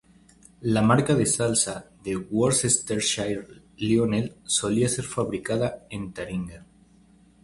La marca de salsa de Worcestershire Lionel solía ser fabricada en Taringa.